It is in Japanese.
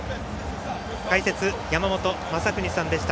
解説、山本昌邦さんでした。